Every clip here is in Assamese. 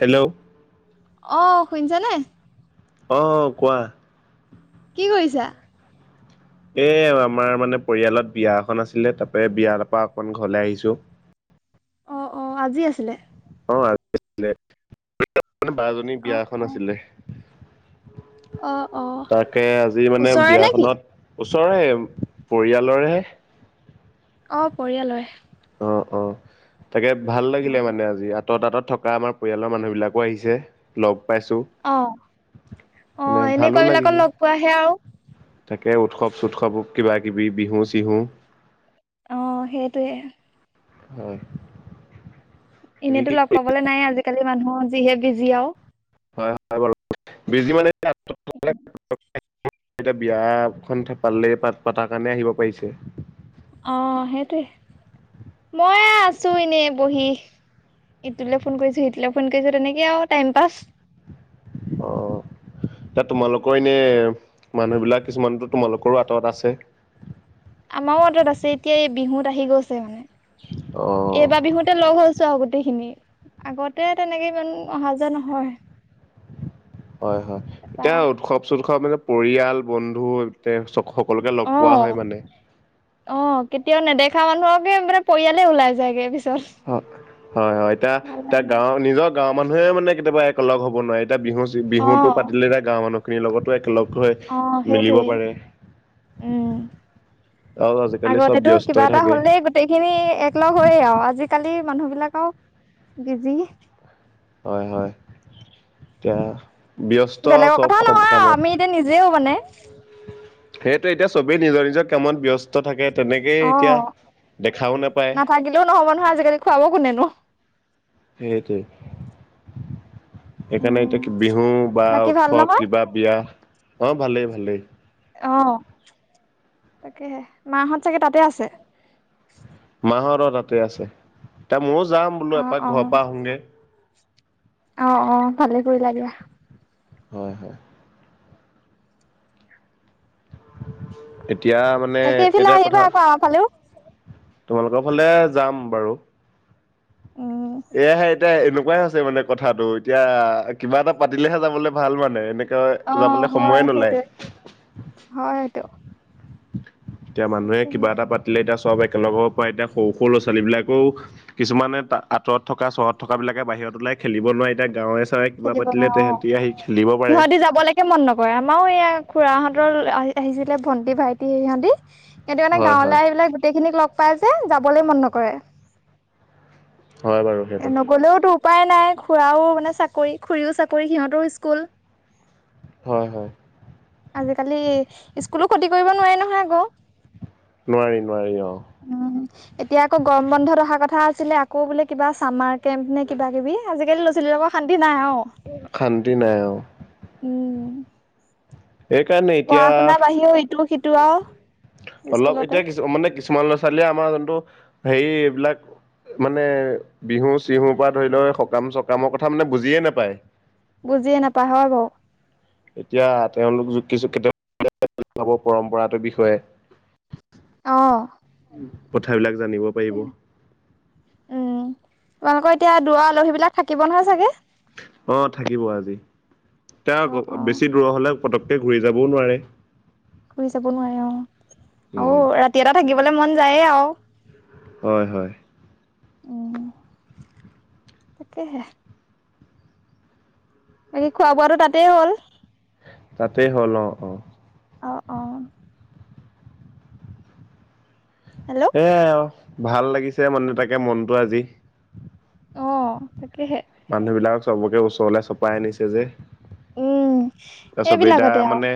হেল্ল'? অ', শুনিছা নাই? অ'-অ', কোৱা? কি কৰিছা? এ আমাৰ মানে পৰিয়ালত বিয়া এখন আছিলে তাৰপৰা বিয়াৰ পৰা অকমান ঘৰলে আহিছো। অ'-অ', আজি আছিলে? অ', আজিআছিলে [inaudible] বাৰজনী বিয়া অ', এখন অ', আছিলে। অ', অ তাকে আজি মানে ওচৰৰে নে কি? বিয়াখনত ওচৰে পৰিয়ালৰে অ', পৰিয়ালয়। অ'-অ', তাকে ভাল লাগিলে অ', মানে আজি ইয়াত তহত তাঁত থকা আমাৰ পৰিয়ালৰ মানুহবিলাকো আহিছে। লগ পাইছো, অ', মানে ভালো এনেকুৱা বিলাকত লাগিছে। লগ পোৱাহে আৰু। তাকে উৎসৱ-চৎসৱ কিবা কিবি বিহু-চিহু অ', সেইটোৱে। হয়'। কি এনেইতো কি লগ পাবলে নাই আজিকালি মানুহৰ যিহে বিজি আৰু। হয়'-হয়', বাৰু, বিজি মানে [unintelligible] এতিয়া বিয়াখন থে পালে প-পতা কাৰণে আহিব পাৰিচে। অ', সেইটোৱে, মই আছো এনেই বহি। ইটোলৈ ফোন কৰিছো সিটোলৈ ফোন কৰিছো তেনেকে আৰু টাইম পাছ। অ'। এতিয়া তোমালোকৰ এনে মানুহবিলাক কিছুমানতো তোমালোকৰো আঁতৰত আছে? আমাৰো অঁটাত আছে এতিয়া এই বিহুত আহি গৈছে মানে। অ এইবাৰ বিহুতে লগ হৈছো আউ গোটেইখিনি, আগতে তেনেকে ইমান অহা যোৱা নহয়। হয়'-হয়', তাৰপা এতিয়া উৎসৱ-চৎসৱ মানে পৰিয়াল, বন্ধু [unintelligible] সকলোকে লগ পোৱা অ', হয় মানে। অ', কেতিয়াও নেদেখা মানুহকে মানে পৰিয়ালে ওলাই যায়গে পিছত। হয়'-হয়', এতিয়া ভাল এয়া লাগে গাঁৱৰ নিজৰ গাঁৱৰ মানুহে মানে কেতিয়াবা একেলগে হ'ব নোৱাৰে। এতিয়া অ বিহু তো পাতিলে এতিয়া গাঁৱৰ মানুহখিনিৰ লগতো একলগ হৈ অ মিলিব সেইটোৱে পাৰে। উম আৰু আজিকালি চব আগতেতো কিবা ব্যস্তই এটা থাকে হ'লেই গোটেইখিনি এক লগ হৈয়ে আৰু আজিাকালি কালি মানুহ বিলাক আৰু বিজি। হয়'-হয়', এতিয়া ব্যস্ত বেলেগৰ চব কথা নহয় আৰু কামত। আমি এতিয়া নিজেও মানে সেইটোৱে এতিয়া চবেই নিজৰ-নিজৰ কামত ব্যস্ত থাকে তেনেকেই অ এতিয়া দেখাও নেপায়। নাথাকিলেও নহ'ব নহয় আজিকালি খুৱাব কোনেনো সেইটোৱে। সেইকাৰণে উম এতিয়া বিহু বা বাকী ভাল উৎসৱ নহয় কিবা বিয়া অ ভালেই ভালেই অ তাকেহে মাহত চাগে তাতে আছে মাহঁত অ তাতে আছে এয়া ময়ো যাম বোলো অ এপাক অ ঘৰৰ পৰা আহো গে অ অ ভালে কৰিলা দিয়া হয় হয় এতিয়া মানে বাকী এইফালে এটাই আহিবা কথা আকৌ আমাৰ ফালেও তোমালোকৰ ফালে যাম বাৰু উম এয়াহে এতিয়া এনেকোৱাই হৈছে মানে কথাটো এতিয়া কিবা এটা পাতিলেহে যাবলৈ ভাল মানে এনে কৈ অ যাবলে হয় সময়ে নোলাই সেইটোৱে হয় সেইটো এতিয়া মানুহে তাকেহে কিবা এটা পাতিলে এতিয়া সব একেলগৰ পৰা এতিয়া সৰু সৰু ল'ৰা ছোৱালীবিলাকেও কিছুমানে তা আঁতৰত থকা চহৰত থকা বিলাকে বাহিৰত ওলাই খেলিব নোৱাৰে এতিয়া গাঁৱৰে বায়ে কিবা খেলিব পাতিলে নোৱাৰে ত অ সেহতিও আহিছে সিহঁতি যাবলৈকে মন নকৰে আমাৰো এইয়া খুৰাহঁতৰ আহ আহিছিলে ভণ্টি ভাইটি সিহঁতি কিন্তু মানে হয় হয়। গাঁৱলৈ আহি গোটেই খিনিক লগ পাই যে যাবলৈ মন নকৰে হয় বাৰু এ সেইটো নগলেওতো উপায় নাই খুৰাও মানে চাকৰি খুৰীও চাকৰি সিহঁতৰও স্কুল হয় হয়। আজিকালি স্কুলো কখতি কৰিব নোৱাৰে নহয় আকৌ নোৱাৰি নোৱাৰি অ উম এতিয়া আকৌ গৰম বন্ধত অহা কথা আছে আছিলে আকৌ বোলে কিবা চামাৰ কেম্প নে কিবা কিবি আজিকালি ল'ৰা ছোৱালী লগক শান্তি নাই অ শান্তি নাই অ। উম সেইকাৰণে পঢ়া এতিয়া শুনাৰ বাহিৰেও ইটো সিটো আও অলপ এতিয়া কিছু মানে কিছুমান ল'ৰা ছোৱালীয়ে আমাৰ যোনটো হেৰি এইবিলাক মানে বিহু চিহুৰ পৰা ধৰি লও সকাম চকামৰ কথা মানে বুজিয়ে নেপায় বুজিয়ে নাপায় হয় বাও এতিয়া তেওঁলোক য কিছু ক্ষেত্ৰত পাব পৰম্পৰাটোৰ বিষয়ে। অ। কথাবিলাক জানিব পাৰিব। উম' তোমালোকৰ এতিয়া দূৰৰ আলহী বিলাক থাকিব নহয় চাগে। অ থাকিব আজি এ অ অ বেছি দূৰ হলে পটককৈ ঘূৰি যাবও নোৱাৰে। ঘুৰি যাব নোৱাৰে অ উম আৰু ৰাতি এটা থাকিবলে মন যায়ে আৰু হয়, হয়। উম, তাকেহে। বাকি খোৱা বোৱাটো তাতেই হ'ল। তাতে হ'ল অ, অ' অ অ হেল্ল' হে আও ভাল লাগিছে মানে তাকে মনটো আজি অ তাকেহে মানুহ বিলাকক চবকে ওচৰলৈ চপাই আনিছে যে উম ত চব এটা এইবিলাকতে আৰু মানে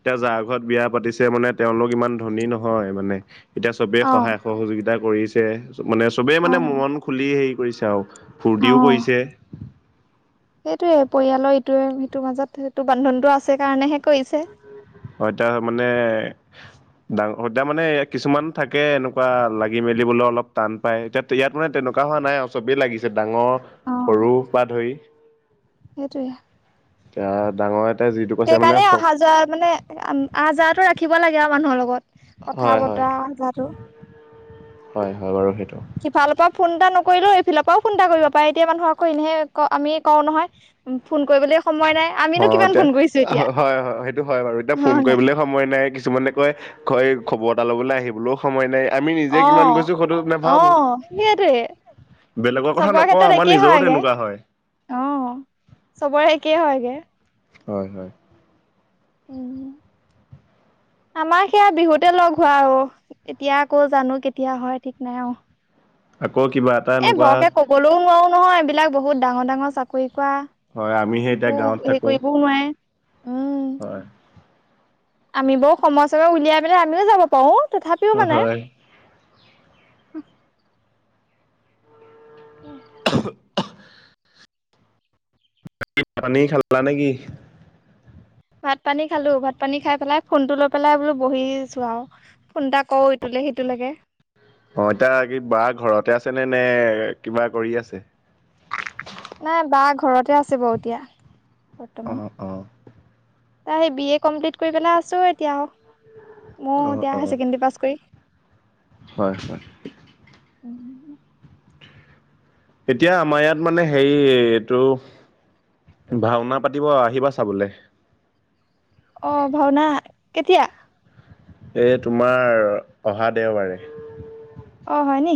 এতিয়া যাৰ ঘৰত বিয়া পাতিছে মানে তেওঁলোক ইমান ধনী নহয় মানে। এতিয়া চবে অ সহায় সহযোগিতা কৰিছে মানে চবেই অ মানে মন খুলি হেৰি কৰিছে আৰু ফূৰ্তিও কৰিছে। সেইটোৱে পৰিয়ালৰ ইটোৱে সিটোৰ মাজত সেইটো বান্ধনটো আছে কাৰণেহে কৰিছে হয় তাৰমানে ডাঙৰ সদ্যা মানে কিছুমান থাকে এনেকোৱা লাগি মেলিবলৈ অলপ টান পায়। এতিয়া ইয়াত মানে তেনেকোৱা এনেকোৱা হোৱা নাই আৰু চবেই লাগিছে ডাঙৰ সৰু বা ধৰি। সেইটোৱে টা ডাঙয়ে সেইকাৰণে অহা যোৱা মানে আহা যাহটো ৰাখিব লাগে আৰু মানুহৰ লগত। কথা হয় হয় বতৰা যটো হয় হয় বাৰু সেইটো সিফালৰ পৰা ফোন এটা নকৰিলেও এইফালৰ পৰাও ফোন এটা কৰিব পাৰে এতিয়া মানুহ আকৌ এনেহে আমি কওঁ নহয় ফোন কৰিবলৈ সময় নাই আমিনো অ' কিমান এতিয়া ফোন কৰিছো এতিয়া হয়, হয় সেইটো হয় বাৰু এতিয়া ফোন হয় নাই কৰিবলৈ সময় নাই। কিছুমানে কয় খবৰ এটা ল'বলৈ আহিবলৈও সময় নাই আমি নিজে কিমান গৈছো সেইটো অহ নাভাবো অহ সেইটোৱে বেলেগৰ কথা চবৰে নকওঁ ক্ষেত্ৰত আমাৰ একেই নিজৰো হয়গে তেনেকুৱা হয় অ চবৰে একে হয়গে। হয় হয় উম। আমাৰ সেয়া বিহুতে লগ হোৱা আৰু এতিয়া আকৌ জানো কেতিয়া হয় ঠিক নাই অআও আকৌ কিবা এটা এই এনেকুৱা বৰকে কবলৈও নোৱাৰো নহয়, এইবিলাক বহুত ডাঙৰ ডাঙৰ চাকৰি কোৱা হয় আমি সেই এতিয়া আকৌ গাঁৱত হেৰি থাকো কৰিবও নোৱাৰে উম হয় আমি বৰ সময় চময় উলিয়াই পেলাই আমিও যাব পাৰো তথাপিও মানে হয় উ [unintelligible] [unintelligible] পানী খালা নে কি? ভাত পানী খালো ভাত পানী খাই পেলাই ফোনটো লৈ পেলাই বোলো বহিছো আও অ' এতিয়া কি বা ঘৰতে আছে নে নে কিবা কৰি আছে? নাই বা ঘৰতে আছে এতিয়া। অ বৰ্তমান অ তাই সে বি এ কমপ্লিট কৰি পেলাই আছো এতিয়া। অ মই এতিয়া অ হায়াৰ ছেকেণ্ডাৰী পাছ কৰি। হয়, হয়। [unintelligible] এতিয়া আমাৰ ইয়াত মানে হেৰি এইটো ভাওনা পাতিব আহিবা চাবলে। অ' ভাওনা কেতিয়া? এই তোমাৰ অহা দেওবাৰে অ' হয় নি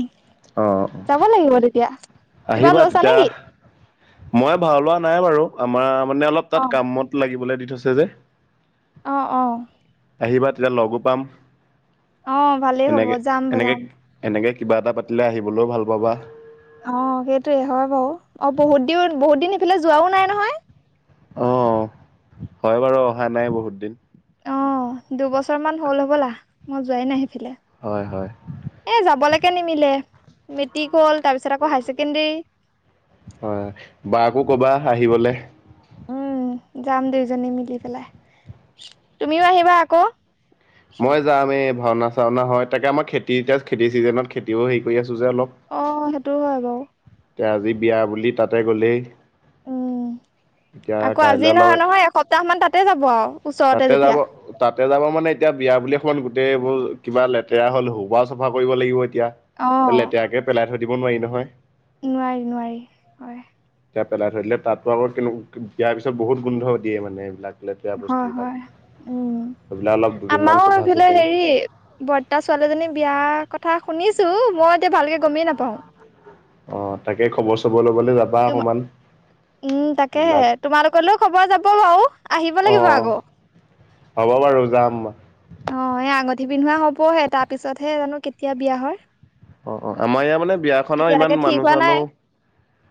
অ অ যাব লাগিব তেতিয়া। কিবা আহিবা লৈছা তেতিয়া নেকি মই ভাল লোৱা নাই বাৰু আমাৰ। মানে অলপ অ তাত কামত লাগিবলৈ দি থৈছে যে অহ অহ আহিবা তেতিয়া লগো পাম। অ ভালেই হ'ব এনেকে, যাম এনেকে, যাম এনেকে কিবা এটা পাতিলে আহিবলৈও ভাল পাবা অ সেইটোৱে হয় বাৰু অ বহুত দিন বহুত দিন সেইফালে যোৱাও নাই নহয় অ হয় বাৰু অহা নাই বহুত দিন অ দুবছৰ মান হ'ল হ'বলা মই যোৱাই নাই হয় হয় এ' যাবলৈকে নিমিলে মেট্ৰিক গল। হয় বাকো কবা আহিবলে উম যাম দুইজনী মিলি পেলাই তুমিও আহিবা আকৌ মই যাম এই ভাওনা চাওনা হয়। তাকে, আমাৰ খেতি এতিয়া খেতি চিজনত খেতিও হেৰি কৰি আছো। যে অলপ অ' সেইটো হয় বাৰু। এতিয়া আজি বিয়া বুলি তাতে গ'লেই উম' এতিয়া আকৌ আজি কাইলৈ অলপ নহয়, নহয়, এসপ্তাহ মান তাতে যাব আৰু। ওচৰতে তাতে যাব যেতিয়া তাতে যাব মানে এতিয়া বিয়া বুলি অকমান গোটেইবোৰ কিবা লেতেৰা হ'ল হোবা চাফা কৰিব লাগিব। এতিয়া অ লেতেৰাকে পেলাই থৈ দিব নোৱাৰি নহয় নোৱাৰি নোৱাৰি হয়। এতিয়া পেলাই ধৰিলে তাতো আকৌ বিয়াৰ পিছত বহুত গোন্ধ দিয়ে মানে। এইবিলাক বেয়া বস্তু। হয় হয় অ। দুদিনমান আমাৰো চফা এইফালে চিকুণ হেৰি বৰ্তা ছোৱালীজনী বিয়া কথা শুনিছো মই এতিয়া ভালকে গমেই নাপাও অ তাকে খবৰ চবৰ ল'বলৈ যাবা তোম অকমান উম তাকে এইবিলাক তোমালোকলৈও খবৰ যাব বাৰু আহিব লাগিব অ আকৌ। হ'ব বাৰু যাম। অ' এই আঙঠি পিন্ধোৱা হবহে, তাৰ পিছতহে জানো কেতিয়া বিয়া হয়। অ অ আমাৰ ইয়য়া মানে বিয়াখনৰ ইমান এতিয়ালৈকে ঠিক মানুহ হোৱা চানুহ নাই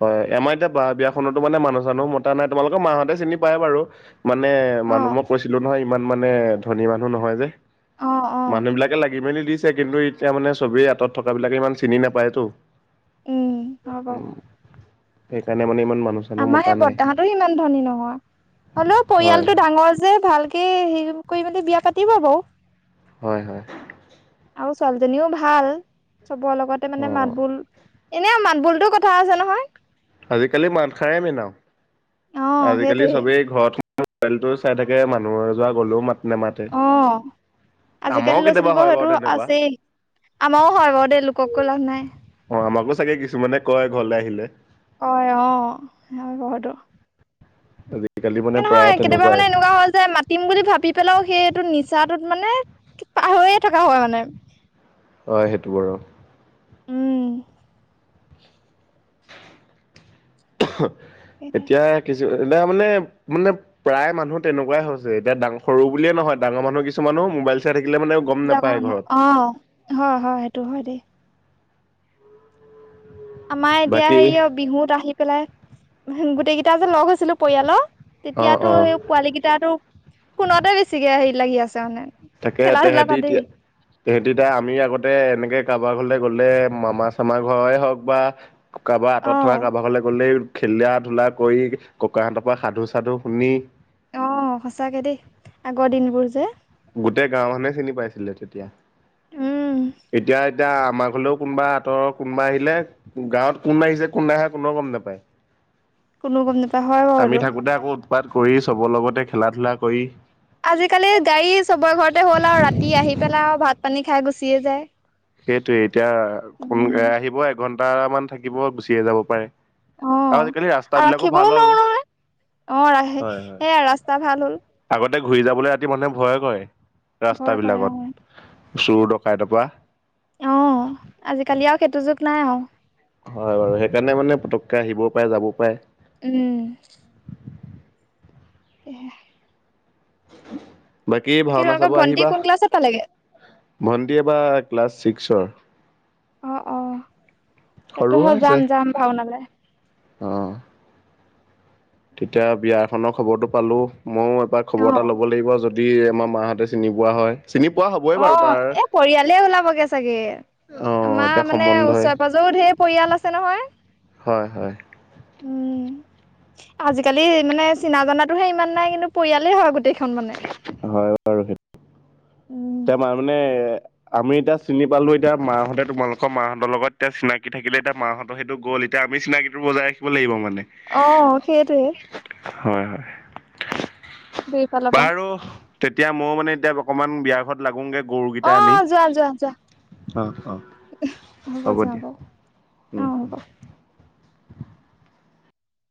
হয় আমাৰ এতিয়া বা বিয়াখনতো মানে মানুহ। জানো মতা নাই তোমালোকৰ মাহতে চিনি পায় বাৰু মানে অ মানুহ মই কৈছিলো নহয়। ইমান মানে ধনী মানুহ নহয় যে অ অ মানুহ বিলাকে লাগি মেলি দিছে। কিন্তু এতিয়া মানে চবেই আঁত থকা বিলাক ইমান চিনি নাপায় তো। উম, হব। সেইকাৰণে মানে ইমান মানুহ চানুহ আমাৰ মতা সেই নাই, বৰ্তাহতো হিমান ধনী নহয় হলেও হয়, পৰিয়ালতটো ডাঙৰ যে ভালক হে সেইটোতকৈ কৰি মেলে বিয়া পাতিব আক হয় হয়। আৰু ছোৱালীজনীও ভাল চবৰ লগতে মানে মাত অ'। বোল এনেই মাত বোলতো কথা আছে নহয়। আজিকালি মাতসাৰে মধও অ আজিকালি সেইটোয়ে চবেই ঘৰত টো চাই থাকে মানুহৰ যোৱা গ'লও ম আহ আমাৰো আজিকালি কেতিয়াবা ল'ৰা-ছোৱালীবোৰ হয় বাৰু সেইটো তেনেকুৱা। আছেই। আমাৰও হয় বাৰু দেই লোককো লাভ নাই। অ আমাকো চাগে কিছুমানে কয় ঘৰলৈ আহিলে হয় অ স বহু আজিকালি মানে প্ৰায় নহয় কেতিয়াবা তেনেকুৱাই মানে এনেকুৱা হল যে, মাতিম বুলি ভাবি পেলাইও সেইটো নিচাটোত মানে পাহৰিয়ে থকা হয় মানে হয় সেইটো বাৰু। উম এতিয়া কিছু এতিয়া মানে মানে প্ৰায় মানুহ তেনেকুৱাই হৈছে এতিয়া ডাঙৰ সৰু বুলিয়ে নহয় ডাঙৰ মানুহৰ কিছুমান মোবাইল চাই থা ডাঙৰ মানুহ অ হয় হয় সেইটো হয় দেই। আমাৰ এতিয়া বাকী হেৰি অ বিহুত আহি পেলাই গোটেই কেইটা যে লগ হৈছিলো পৰিয়ালৰ অ অ তেতিয়াতো সেই পোৱালি কেইটাতো ফোনতে বেছিকে হেৰি লাগি আছে মানে। তাকে খেলা ধূলা বাদেই তেহেতিএতিয়া তেহেঁতিএতিয়া আমি আগতে এনেকে কাৰোবাৰ ঘৰলৈ গ'লে মামা চামাৰ ঘৰেৰে হওঁক বা কাৰোবাৰ অ আঁতৰত থকা কাৰোবাৰ ঘলে গ'লেই খেলা ধূলা কৰি ককাহঁতৰ পৰা সাধু সাধু শুনি। অ' সঁচাকে দেই আগৰ দিনবোৰ যে গোটেই গাঁওৰ মানুহে চিনি পাইছিলে তেতিয়া। উম এতিয়া এতিয়া আমাৰ ঘৰলেও কোনোবা আঁতৰ কোনোবা আহিলে গাঁৱ কোন আহিছে কোন ন আহে কোনে গম নোপায়। কোনো গম নাপায় হয় বাৰু আমি সেইটো থাকোতে আকৌ উৎপাত কৰি চবৰ লগতে খেলা ধূলা কৰি আজিকালি গাড়ী চবৰে ঘৰতে হ'ল আৰু ৰাতি আহি পেলাই আৰু ভাত পানী খাই গুচিয়ে যায়। সেইটোৱে এতিয়া কোন উম, আহিব, এঘন্টা মান থাকিব গুচিয়ে যাব পাৰে। আৰু অ'। আজিকালি ৰাস্তাা আৰু বিলাকো ৰাখিবও ভাল হ'ল। নোৱাৰো নহয়, অ' ৰাখে সেয়া ৰাস্তা ভাল হ'ল। ততে ঘূৰি যাবলৈ ৰাতি মানুহে ভয় কৰে। ৰাস্তা ভয় কৰে অ'। বিলাকত চোৰ ডকাইট পৰা আহ আজিকালি আৰু সেইটো যুগ নাই আৰু হয় বাৰু সেইকাৰণে মানে পতকে আহিবও পাৰে যাব পাৰে। উম। এ। [unintelligible] বাকী ভাওনা তোমালোকৰ চাব ভন্টি আহিবা। কোন ক্লাছত পালেগে? ভন্টি এবা ক্লাছ চিক্সত। অ অ তাকে সৰু হে হৈ আছে যাম যাম ভাওনালে। অ'। তেতিয়া বিয়া খনৰ খবৰৰতটো পালো, মইও এবাৰ খবৰ এটা অ', ল'ব লাগিব যদি যদি আমাৰ মাহঁতে চিনি পোৱা হয়। চিনি পোৱা হবই অ বাৰু তাৰ এ পৰিয়ালে ওলাবগে চাগে। অ আমাৰ এতিয়া মানে সম্বন্ধই ওচৰে পাজোও ঢেৰ পৰিয়াল আছে নহয়। হয় হয়। উম আজিকালি মানে চিনা জনাতোহে ইমান নাই কিন্তু পৰিয়ালেই হয় গোটেই। হয় বাৰু সেইটো উম, তে আমাৰ মানে এ আমি এতিয়া চিনি পালো এতিয়া মাহঁতে তোমালোকৰ মাহঁতৰ লগত এতিয়া চিনাকি থাকিলে এতিয়া মাহঁতৰ সেইটো গ'ল এতিয়া আমি চিনাকিটো বজাই ৰাখিব লাগিব মানে। অ' সেইটোৱে। হয়, হয়। সেই ফালৰপৰা। বাৰু তেতিয়া ময়ো মানে এতিয়া অকণমান বিয়া ঘৰত লাগো গে। গৰুকেইটা আনি অ' যোৱা যোৱা যোৱা। অ অ হ'ব দিয়া। উম অঁ হ'ব হম।